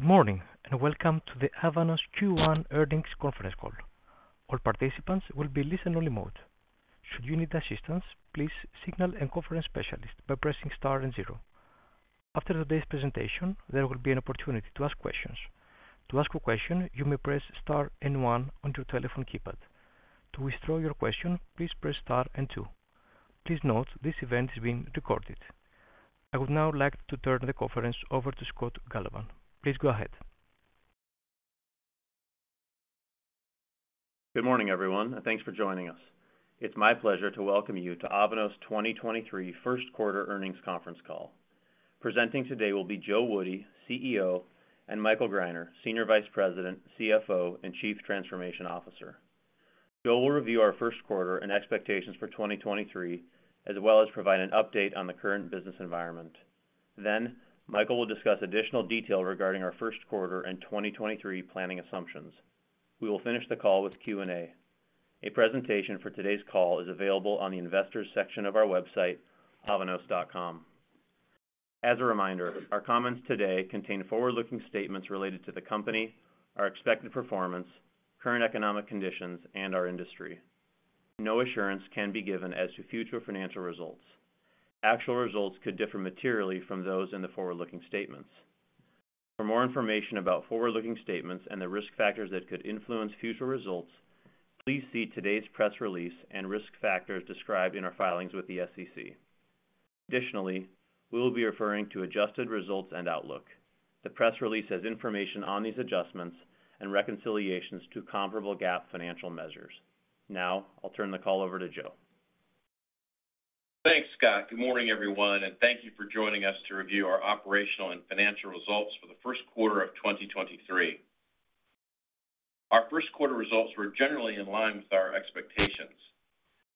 Good morning. Welcome to the Avanos Q1 Earnings Conference Call. All participants will be in listen-only mode. Should you need assistance, please signal a conference specialist by pressing star, zero. After today's presentation, there will be an opportunity to ask questions. To ask a question, you may press star and one on your telephone keypad. To withdraw your question, please press star and two. Please note, this event is being recorded. I would now like to turn the conference over to Scott [Galovan]. Please go ahead. Good morning, everyone, and thanks for joining us. It's my pleasure to welcome you to Avanos 2023 First Quarter Earnings Conference Call. Presenting today will be Joe Woody, CEO, and Michael Greiner, Senior Vice President, CFO, and Chief Transformation Officer. Joe will review our first quarter and expectations for 2023, as well as provide an update on the current business environment. Then Michael will discuss additional detail regarding our first quarter and 2023 planning assumptions. We will finish the call with Q&A. A presentation for today's call is available on the investors section of our website, avanos.com. As a reminder, our comments today contain forward-looking statements related to the company, our expected performance, current economic conditions, and our industry. No assurance can be given as to future financial results. Actual results could differ materially from those in the forward-looking statements. For more information about forward-looking statements and the risk factors that could influence future results, please see today's press release and risk factors described in our filings with the SEC. Additionally, we will be referring to adjusted results and outlook. The press release has information on these adjustments and reconciliations to comparable GAAP financial measures. Now, I'll turn the call over to Joe. Thanks, Scott. Good morning, everyone. Thank you for joining us to review our operational and financial results for the first quarter of 2023. Our first quarter results were generally in line with our expectations.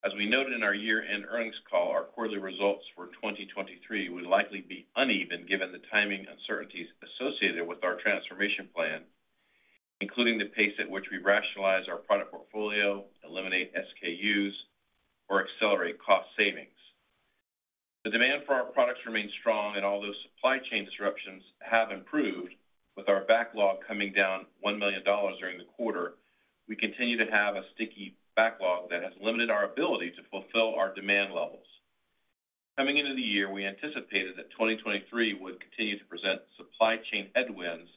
As we noted in our year-end earnings call, our quarterly results for 2023 would likely be uneven, given the timing uncertainties associated with our transformation plan, including the pace at which we rationalize our product portfolio, eliminate SKUs, or accelerate cost savings. The demand for our products remains strong. Although supply chain disruptions have improved, with our backlog coming down $1 million during the quarter, we continue to have a sticky backlog that has limited our ability to fulfill our demand levels. Coming into the year, we anticipated that 2023 would continue to present supply chain headwinds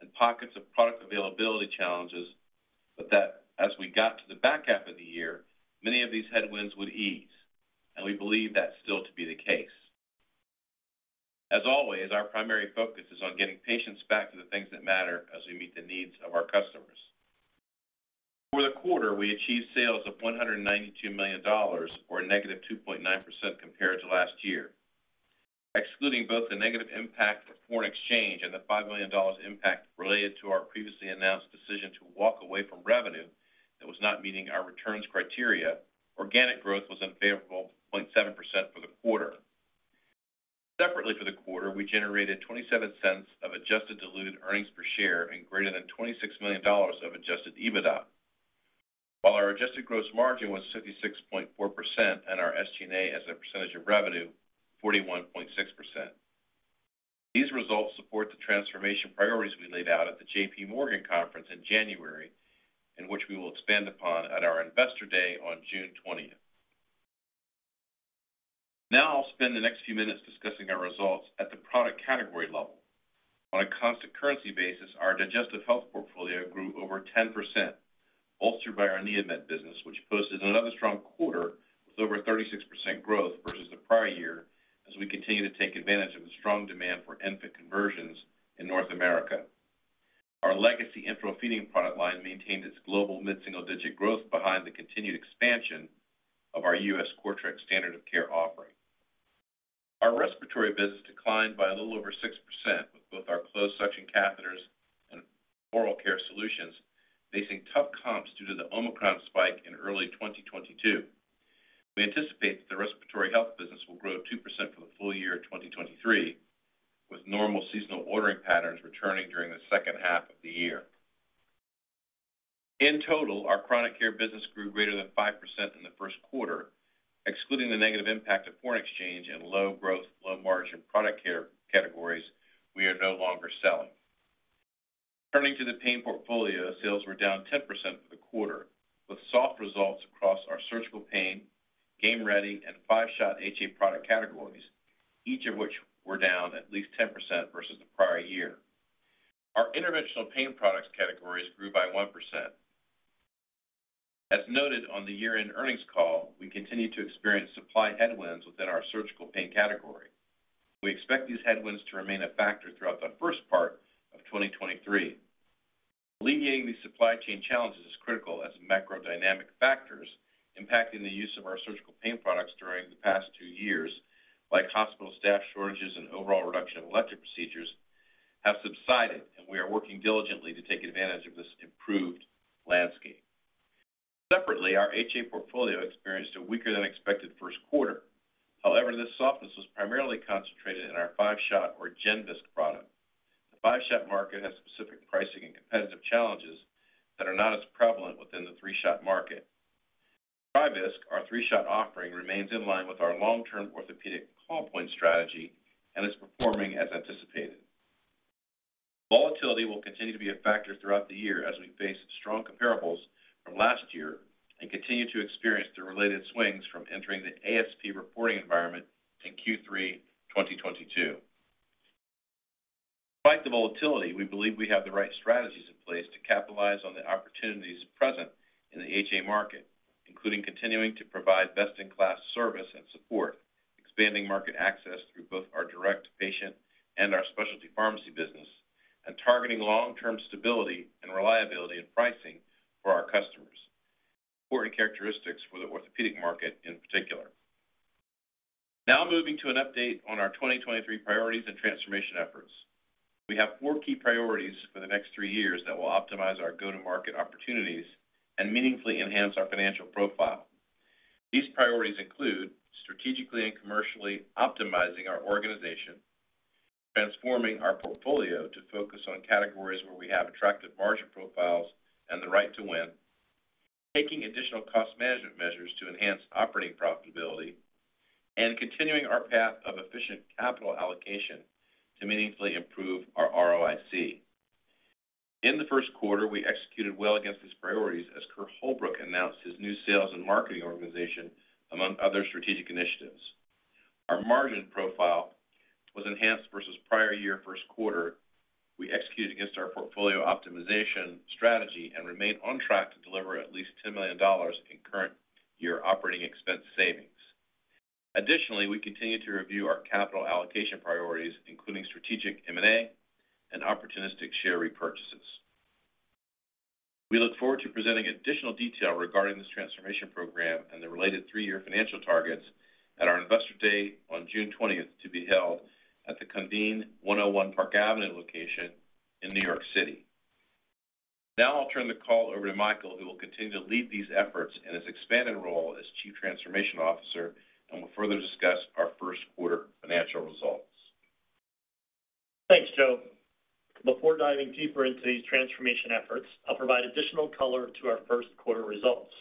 and pockets of product availability challenges, that as we got to the back half of the year, many of these headwinds would ease, and we believe that still to be the case. As always, our primary focus is on getting patients back to the things that matter as we meet the needs of our customers. For the quarter, we achieved sales of $192 million or -2.9% compared to last year. Excluding both the negative impact of foreign exchange, and the $5 million impact related to our previously announced decision to walk away from revenue that was not meeting our returns criteria, organic growth was unfavorable 0.7% for the quarter. Separately for the quarter, we generated $0.27 of adjusted diluted earnings per share and greater than $26 million of adjusted EBITDA, while our adjusted gross margin was 66.4% and our SG&A as a percentage of revenue, 41.6%. These results support the transformation priorities we laid out at the JPMorgan conference in January, and which we will expand upon at our Investor Day on June 20th. Now I'll spend the next few minutes discussing our results at the product category level. On a constant currency basis, our digestive health portfolio grew over 10%, bolstered by our NEOMED business, which posted another strong quarter with over 36% growth versus the prior year, as we continue to take advantage of the strong demand for NPIT conversions in North America. Our legacy enteral feeding product line maintained its global mid-single-digit growth behind the continued expansion of our U.S. CORTRAK standard of care offering. Our respiratory business declined by a little over 6%, with both our closed suction catheters and oral care solutions facing tough comps due to the Omicron spike in early 2022. We anticipate that the respiratory health business will grow 2% for the full year of 2023, with normal seasonal ordering patterns returning during the second half of the year. In total, our chronic care business grew greater than 5% in the first quarter, excluding the negative impact of foreign exchange and low growth, low margin product care categories we are no longer selling. Turning to the pain portfolio, sales were down 10% for the quarter, with soft results across our surgical pain, GAME READY, and 5-shot HA product categories, each of which were down at least 10% versus the prior year. Our interventional pain products categories grew by 1%. As noted on the year-end earnings call, we continue to experience supply headwinds within our surgical pain category. We expect these headwinds to remain a factor throughout the first part of 2023. Alleviating these supply chain challenges is critical as macro dynamic factors impacting the use of our surgical pain products during the past two years, like hospital staff shortages and overall reduction in elective procedures, have subsided, and we are working diligently to take advantage of this improved landscape. Separately, our HA portfolio experienced a weaker than expected first quarter. However, this softness was primarily concentrated in our 5-shot or GenVisc product. The 5-shot market has specific pricing and competitive challenges that are not as prevalent within the 3-shot market. TriVisc, our 3-shot offering remains in line with our long-term orthopedic call point strategy, and is performing as anticipated. Volatility will continue to be a factor throughout the year as we face strong comparables from last year, and continue to experience the related swings from entering the ASP reporting environment in Q3 2022. Despite the volatility, we believe we have the right strategies in place to capitalize on the opportunities present in the HA market, including continuing to provide best-in-class service and support, expanding market access through both our direct patient and our specialty pharmacy business, and targeting long-term stability and reliability in pricing for our customers. Important characteristics for the orthopedic market in particular. Now moving to an update on our 2023 priorities and transformation efforts. We have four key priorities for the next three years that will optimize our go-to-market opportunities, and meaningfully enhance our financial profile. These priorities include, strategically and commercially optimizing our organization, transforming our portfolio to focus on categories where we have attractive margin profiles and the right to win, taking additional cost management measures to enhance operating profitability, and continuing our path of efficient capital allocation to meaningfully improve our ROIC. In the first quarter, we executed well against these priorities as Kerr Holbrook announced his new sales and marketing organization, among other strategic initiatives. Our margin profile was enhanced versus prior year first quarter. We executed against our portfolio optimization strategy, and remain on track to deliver at least $10 million in current year operating expense savings. Additionally, we continue to review our capital allocation priorities, including strategic M&A and opportunistic share repurchases. We look forward to presenting additional detail regarding this transformation program and the related three-year financial targets at our Investor Day on June 20th, to be held at the Convene 101 Park Avenue location in New York City. Now I'll turn the call over to Michael, who will continue to lead these efforts in his expanded role as Chief Transformation Officer and will further discuss our first-quarter financial results. Thanks, Joe. Before diving deeper into these transformation efforts, I'll provide additional color to our first quarter results.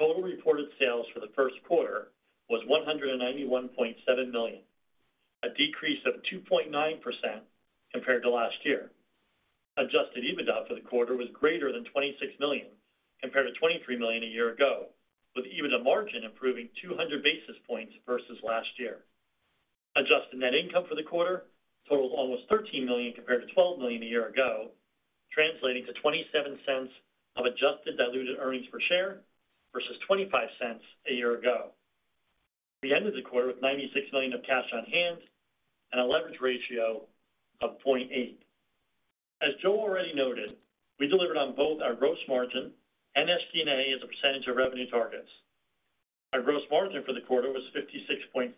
Total reported sales for the first quarter was $191.7 million, a decrease of 2.9% compared to last year. Adjusted EBITDA for the quarter was greater than $26 million, compared to $23 million a year ago, with EBITDA margin improving 200 basis points versus last year. Adjusted net income for the quarter totaled almost $13 million compared to $12 million a year ago, translating to $0.27 of adjusted diluted earnings per share versus $0.25 a year ago. We ended the quarter with $96 million of cash on hand and a leverage ratio of 0.8. As Joe already noted, we delivered on both our gross margin and SG&A as a percentage of revenue targets. Our gross margin for the quarter was 56.4%,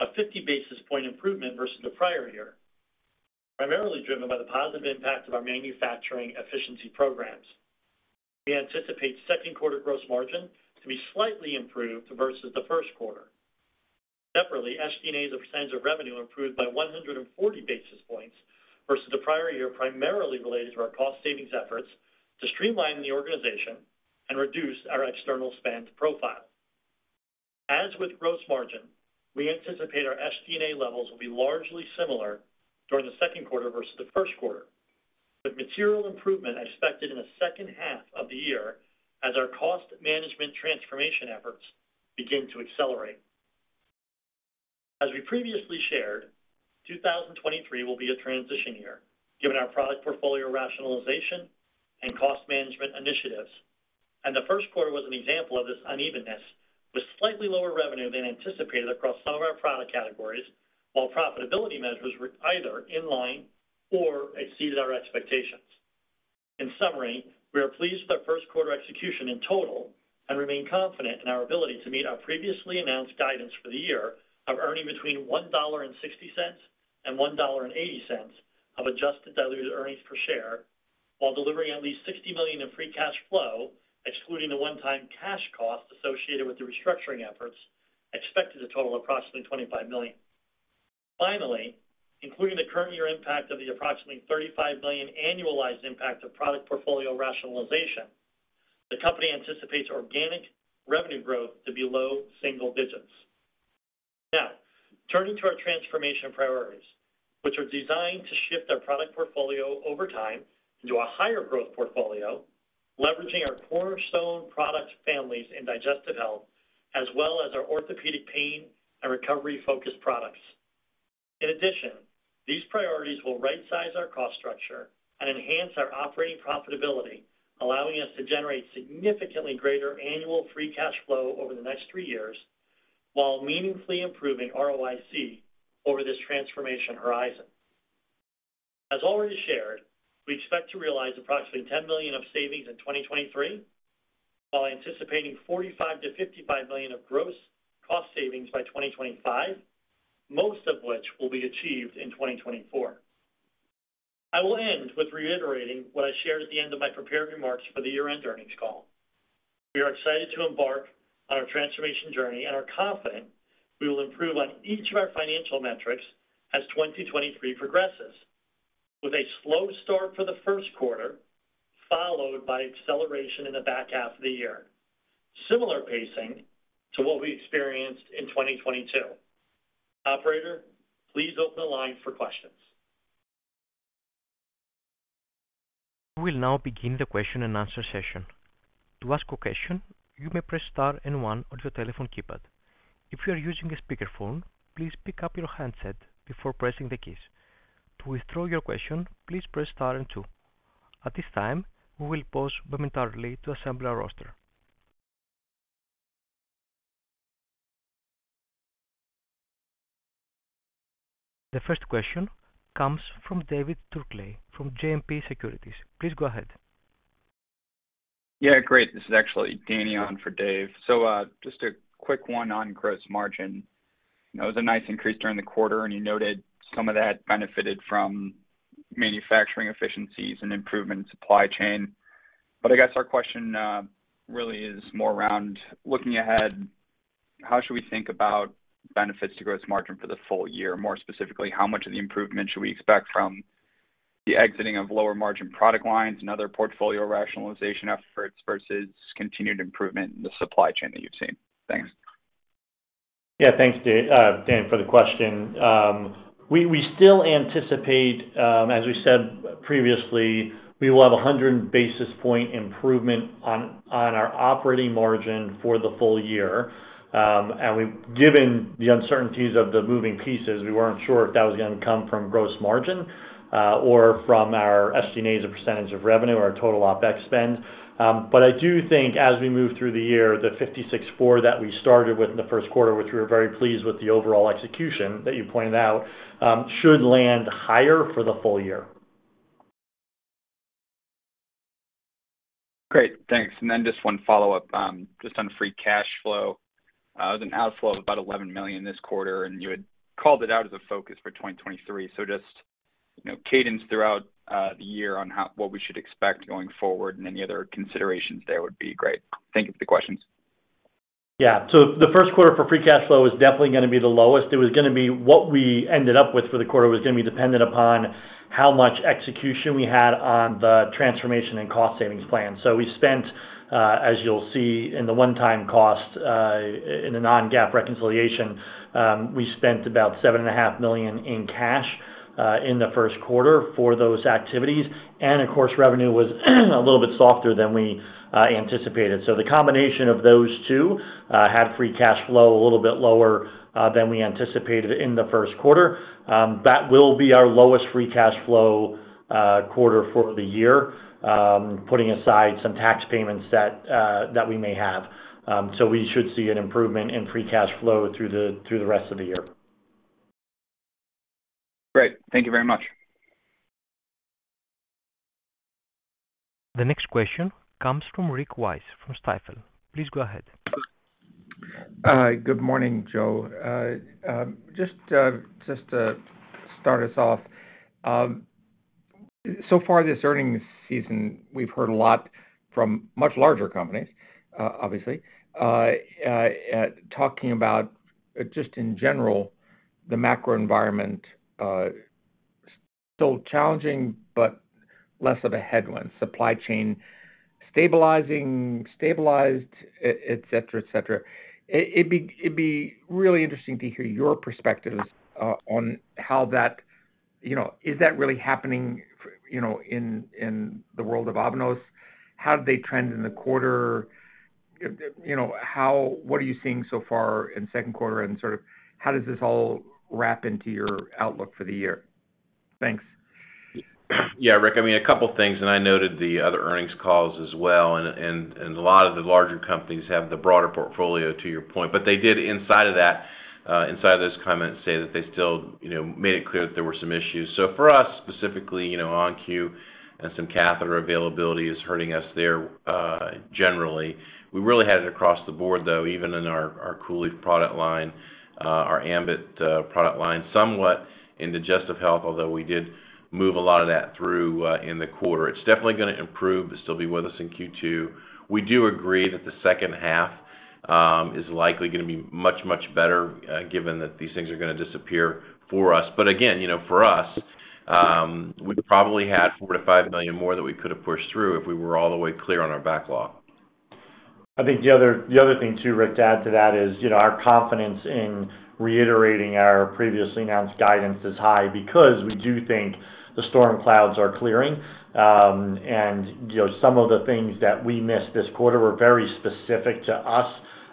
a 50 basis point improvement versus the prior year, primarily driven by the positive impact of our manufacturing efficiency programs. We anticipate second quarter gross margin to be slightly improved versus the first quarter. Separately, SG&A as a percentage of revenue improved by 140 basis points versus the prior year, primarily related to our cost savings efforts to streamline the organization and reduce our external spend profile. As with gross margin, we anticipate our SG&A levels will be largely similar during the second quarter versus the first quarter, with material improvement expected in the second half of the year as our cost management transformation efforts begin to accelerate. As we previously shared, 2023 will be a transition year, given our product portfolio rationalization and cost management initiatives. The first quarter was an example of this unevenness, with slightly lower revenue than anticipated across some of our product categories, while profitability measures were either in line or exceeded our expectations. In summary, we are pleased with our first quarter execution in total, and remain confident in our ability to meet our previously announced guidance for the year of earning between $1.60 and $1.80 of adjusted diluted earnings per share, while delivering at least $60 million in free cash flow, excluding the one-time cash cost associated with the restructuring efforts expected to total approximately $25 million. Finally, including the current year impact of the approximately $35 billion annualized impact of product portfolio rationalization, the company anticipates organic revenue growth to be low single digits. Now, turning to our transformation priorities, which are designed to shift our product portfolio over time into a higher growth portfolio, leveraging our cornerstone product families in digestive health as well as our orthopedic pain and recovery-focused products. In addition, these priorities will right size our cost structure and enhance our operating profitability, allowing us to generate significantly greater annual free cash flow over the next three years, while meaningfully improving ROIC over this transformation horizon. As already shared, we expect to realize approximately $10 million of savings in 2023, while anticipating $45 million-$55 million of gross cost savings by 2025, most of which will be achieved in 2024. I will end with reiterating what I shared at the end of my prepared remarks for the year-end earnings call. We are excited to embark on our transformation journey, and are confident we will improve on each of our financial metrics as 2023 progresses, with a slow start for the first quarter, followed by acceleration in the back half of the year, similar pacing to what we experienced in 2022. Operator, please open the line for questions. We will now begin the question-and-answer session. To ask a question, you may press star and one on your telephone keypad. If you are using a speakerphone, please pick up your handset before pressing the keys. To withdraw your question, please press star and two. At this time, we will pause momentarily to assemble our roster. The first question comes from David Turkaly from JMP Securities. Please go ahead. Yeah, great. This is actually Danny on for Dave. Just a quick one on gross margin. You know, it was a nice increase during the quarter, and you noted some of that benefited from manufacturing efficiencies and improvement in supply chain. I guess our question really is more around looking ahead, how should we think about benefits to gross margin for the full year? More specifically, how much of the improvement should we expect from the exiting of lower margin product lines, and other portfolio rationalization efforts versus continued improvement in the supply chain that you've seen? Thanks. Yeah. Thanks, Dan for the question. We still anticipate, as we said previously, we will have a 100 basis point improvement on our operating margin for the full year. Given the uncertainties of the moving pieces, we weren't sure if that was going to come from gross margin, or from our SG&A as a percentage of revenue or our total OpEx spend. I do think as we move through the year, the 56.4% that we started with in the first quarter, which we were very pleased with the overall execution that you pointed out, should land higher for the full year. Great. Thanks. Just one follow-up, just on free cash flow. It was an outflow of about $11 million this quarter, and you had called it out as a focus for 2023. Just, you know, cadence throughout the year on what we should expect going forward, and any other considerations there would be great. Thank you for the questions. Yeah, so the first quarter for free cash flow is definitely going to be the lowest. What we ended up with for the quarter was going to be dependent, upon how much execution we had on the transformation and cost savings plan. As you'll see in the one-time cost, in the non-GAAP reconciliation, we spent about $7.5 million in cash in the first quarter for those activities. Of course, revenue was a little bit softer than we anticipated. The combination of those two had free cash flow a little bit lower than we anticipated in the first quarter. That will be our lowest free cash flow quarter for the year, putting aside some tax payments that we may have. We should see an improvement in free cash flow through the rest of the year. Great. Thank you very much. The next question comes from Rick Wise from Stifel. Please go ahead. Good morning, Joe. Just to start us off, so far this earnings season, we've heard a lot from much larger companies obviously, talking about, just in general, the macro environment, still challenging, but less of a headwind, supply chain stabilizing, stabilized, etc. It'd be really interesting to hear your perspectives on, you know, is that really happening, you know, in the world of Avanos? How did they trend in the quarter? You know, what are you seeing so far in second quarter, and sort of how does this all wrap into your outlook for the year? Thanks. Yeah, Rick. I mean, a couple of things, and I noted the other earnings calls as well and a lot of the larger companies have the broader portfolio, to your point. They did inside of those comments say that they still, you know, made it clear that there were some issues. For us, specifically, you know, ON-Q and some catheter availability is hurting us there generally. We really had it across the board though, even in our COOLIEF product line, our ambIT product line, somewhat in digestive health, although we did move a lot of that through in the quarter. It's definitely gonna improve. It'll still be with us in Q2. We do agree that the second half is likely going to be much, much better, given that these things are going to disappear for us. Again, you know, for us, we probably had $4 million-$5 million more that we could have pushed through if we were all the way clear on our backlog. I think the other thing too, Rick, to add to that is, you know, our confidence in reiterating our previously announced guidance is high because we do think the storm clouds are clearing. You know, some of the things that we missed this quarter were very specific to us,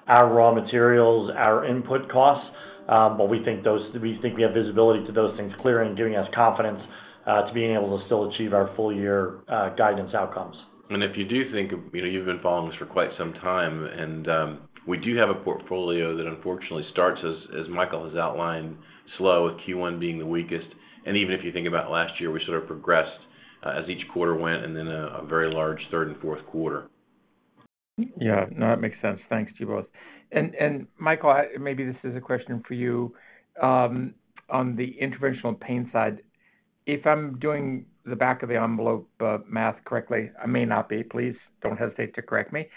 our raw materials, our input costs, but we think we have visibility to those things clearing, giving us confidence to being able to still achieve our full year guidance outcomes. You know, you've been following this for quite some time, we do have a portfolio that unfortunately starts as Michael has outlined, slow, with Q1 being the weakest. Even if you think about last year, we sort of progressed as each quarter went and then a very large third and fourth quarter. Yeah. No, that makes sense. Thanks to you both. Michael, maybe this is a question for you on the interventional pain side. If I'm doing the back-of-the-envelope math correctly, I may not be, please don't hesitate to correct me,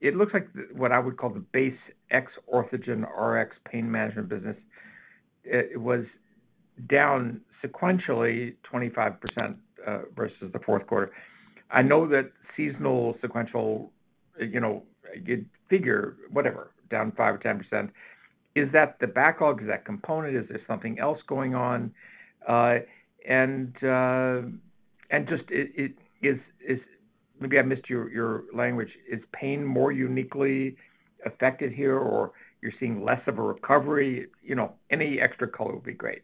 it looks like what I would call the base ex-OrthogenRx pain management business, it was down sequentially 25% versus the fourth quarter. I know that seasonal sequential, you know, figure whatever, down 5% or 10%. Is that the backlog? Is that component? Is there something else going on? Maybe I missed your language, is pain more uniquely affected here or you're seeing less of a recovery? You know, any extra color would be great.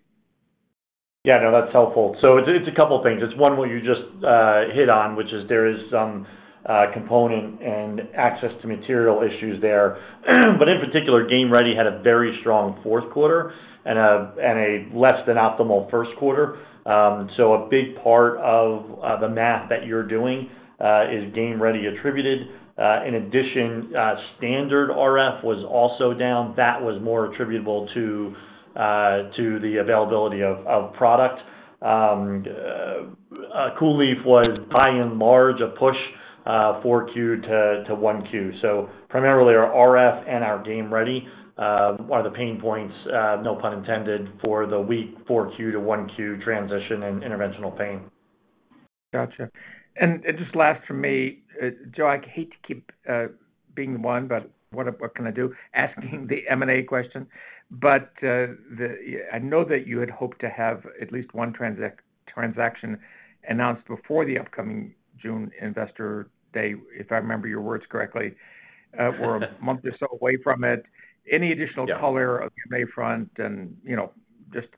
Yeah. No, that's helpful. It's a couple things. It's one, what you just hit on, which is, there is some component and access to material issues there. In particular, GAME READ had a very strong fourth quarter and a less-than-optimal first quarter. A big part of the math that you're doing is GAME READY attributed. In addition, standard RF was also down. That was more attributable to the availability of product. COOLIEF was by and large a push 4 Q to 1 Q. Primarily our RF and our GAME READY are the pain points, no pun intended, for the weak 4 Q to 1 Q transition in interventional pain. Got you. Just last for me, Joe, I hate to keep being the one, what can I do? Asking the M&A question. I know that you had hoped to have at least one transaction announced before the upcoming June Investor Day, if I remember your words correctly. We're a month or so away from it. Any additional color on the M&A front and you know, just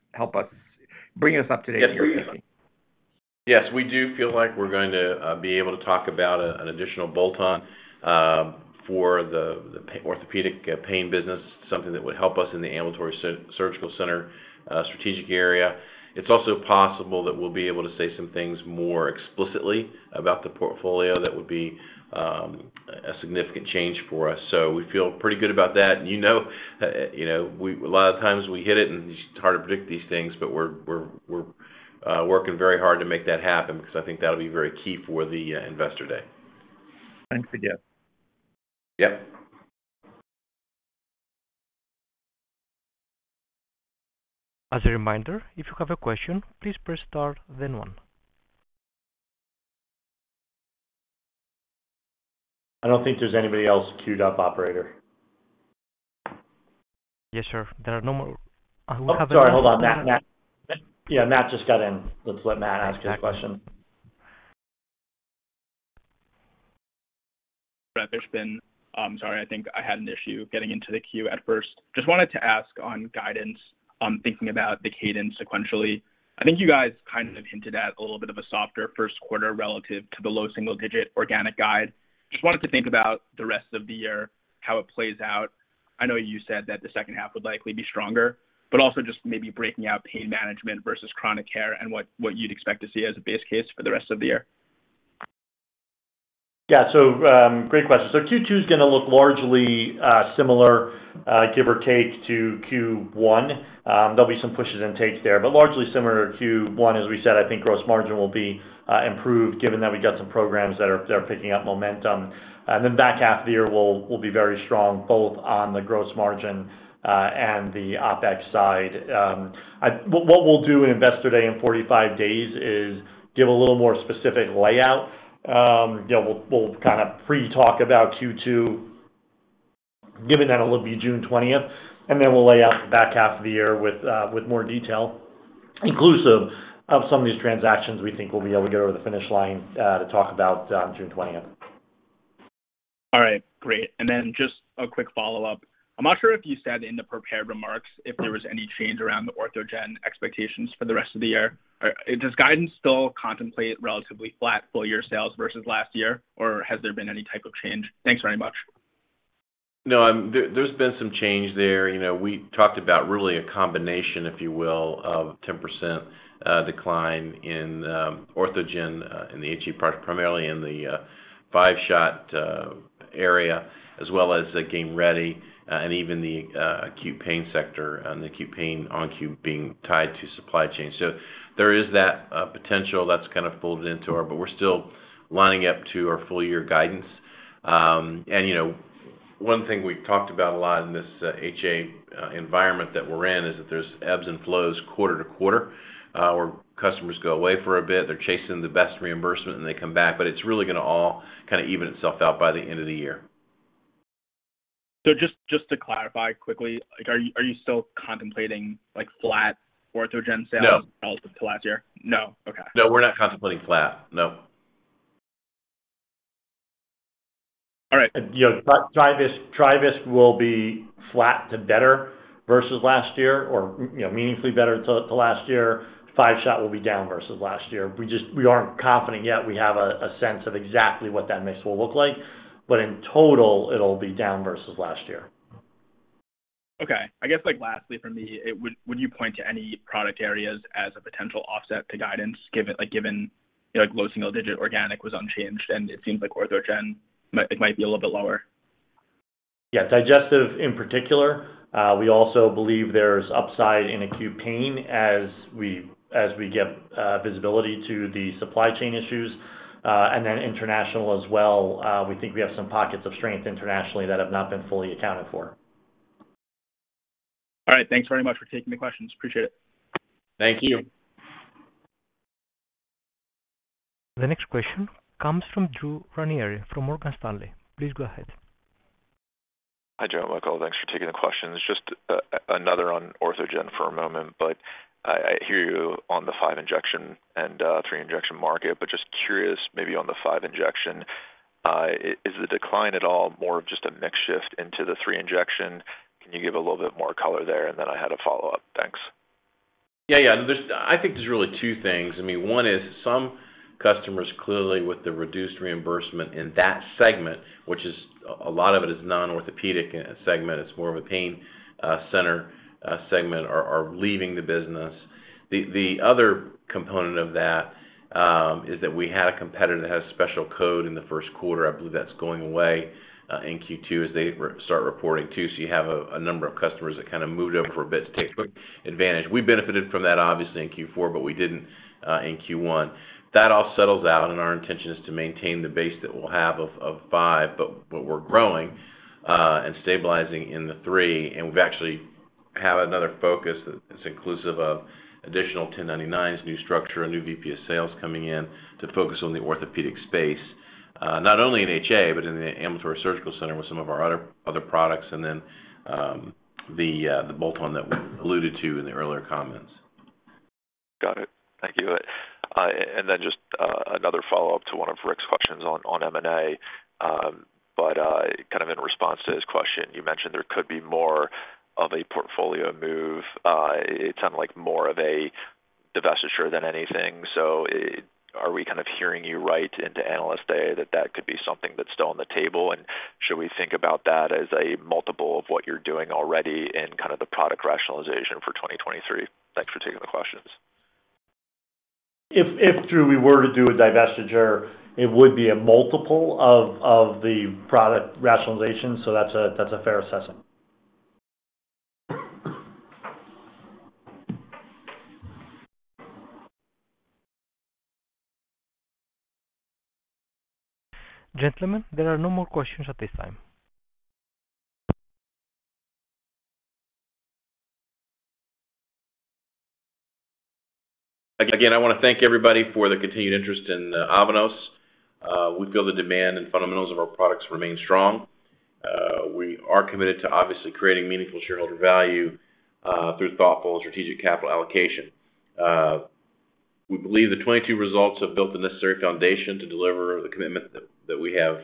bring us up to date on your thinking? Yes, we do feel like we're going to be able to talk about an additional bolt on for the orthopedic pain business, something that would help us in the ambulatory surgical center strategic area. It's also possible that we'll be able to say some things more explicitly about the portfolio, that would be a significant change for us. We feel pretty good about that. You know, a lot of times we hit it and it's hard to predict these things, but we're working very hard to make that happen because I think that'll be very key for the Investor Day. Thanks again. Yep. As a reminder, if you have a question, please press star then one. I don't think there's anybody else queued up, operator. Yes, sir. There are no more. Oh, sorry. Hold on, Matt. Yeah, Matt just got in. Let's let Matt ask his question. Brett Fishbin. I'm sorry. I think I had an issue getting into the queue at first. Just wanted to ask on guidance, on thinking about the cadence sequentially. I think you guys kind of hinted at a little bit of a softer first quarter relative to the low single-digit organic guide. Just wanted to think about the rest of the year, how it plays out. I know you said that the second half would likely be stronger, but also just maybe breaking out pain management versus chronic care and what you'd expect to see as a base case for the rest of the year. Yeah, so great question. Q2 is going to look largely similar give or take to Q1. There'll be some pushes and takes there, but largely similar to one. As we said, I think gross margin will be improved, given that we've got some programs that are picking up momentum. Back half of the year will be very strong, both on the gross margin and the OpEx side. What we'll do in Investor Day in 45 days is give a little more specific layout. You know, we'll kind of pre-talk about Q2, given that it'll be June 20th, and then we'll lay out the back half of the year with more detail, inclusive of some of these transactions we think we'll be able to get over the finish line to talk about on June 20th. All right, great. Then just a quick follow-up. I'm not sure if you said in the prepared remarks, if there was any change around the Orthogen expectations for the rest of the year. Does guidance still contemplate relatively flat full-year sales versus last year, or has there been any type of change? Thanks very much. No, there's been some change there. You know, we talked about really a combination, if you will, of 10% decline in Orthogen in the HA product, primarily in the 5-shot area, as well as the GAME READY and even the acute pain sector and the acute pain ON-Q being tied to supply chain. There is that potential that's kind of folded into ours, but we're still lining up to our full-year guidance. You know, one thing we've talked about a lot in this HA environment that we're in, is that there's ebbs and flows quarter-to-quarter, where customers go away for a bit, they're chasing the best reimbursement, and they come back. It's really going to all kind of even itself out by the end of the year. Just to clarify quickly, are you still contemplating flat Orthogen sales? No. Relative to last year? Okay. No, we're not contemplating flat. No. All right. You know, TriVisc will be flat to better versus last year or you know, meaningfully better to last year. Five-shot will be down versus last year. We aren't confident yet. We have a sense of exactly what that mix will look like, but in total, it'll be down versus last year. Okay. I guess, lastly from me, would you point to any product areas as a potential offset to guidance given low single-digit organic was unchanged and it seems like Orthogen might be a little bit lower? Yeah, digestive in particular. We also believe there's upside in acute pain as we get visibility to the supply chain issues. Then international as well, we think we have some pockets of strength internationally that have not been fully accounted for. All right. Thanks very much for taking the questions. Appreciate it. Thank you. The next question comes from Drew Ranieri from Morgan Stanley. Please go ahead. Hi, Joe and Michael. Thanks for taking the questions. Just another on Orthogen for a moment. I hear you on the 5-injection and 3-injection market, but just curious maybe on the 5-injection, is the decline at all more of just a mix shift into the 3-injection? Can you give a little bit more color there? Then I had a follow-up. Thanks. Yeah. I think there's really two things. I mean, one is, some customers clearly with the reduced reimbursement in that segment, which a lot of it is non-orthopedic segment and it's more of a pain center segment are leaving the business. The other component of that is that we had a competitor that had a special code in the first quarter. I believe that's going away in Q2 as they start reporting too. You have a number of customers that kind of moved over a bit to take advantage. We benefited from that obviously in Q4, but we didn't in Q1. That all settles out, and our intention is to maintain the base that we'll have of five, but we're growing and stabilizing in the three. We actually have another focus that is inclusive of additional 1099s, new structure, a new VP of sales coming in to focus on the orthopedic space, not only in HA, but in the ambulatory surgical center with some of our other products, and then the bolt-on that we alluded to in the earlier comments. Got it. Thank you. Then just another follow-up to one of Rick's questions on M&A. Kind of in response to his question, you mentioned there could be more of a portfolio move. It sounded like more of a divestiture than anything. Are we kind of hearing you right into Analyst Day that that could be something that's still on the table? Should we think about that as a multiple of what you're doing already in kind of the product rationalization for 2023? Thanks for taking the questions. If, Drew, we were to do a divestiture, it would be a multiple of the product rationalization, so that's a fair assessment. Gentlemen, there are no more questions at this time. Again, I want to thank everybody for their continued interest in Avanos. We feel the demand and fundamentals of our products remain strong. We are committed to obviously creating meaningful shareholder value through thoughtful and strategic capital allocation. We believe the 2022 results have built the necessary foundation to deliver the commitment that we have,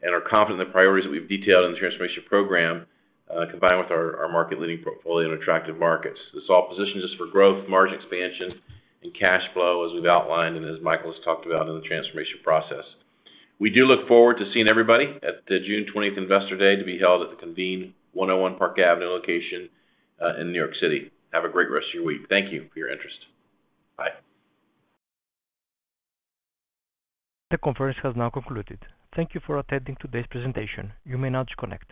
and are confident the priorities that we've detailed in the transformation program, combined with our market-leading portfolio and attractive markets, this all positions us for growth, margin expansion, and cash flow as we've outlined and as Michael has talked about in the transformation process. We do look forward to seeing everybody at the June 20th Investor Day, to be held at the Convene 101 Park Avenue location in New York City. Have a great rest of your week. Thank you for your interest. Bye. The conference has now concluded. Thank you for attending today's presentation. You may now disconnect.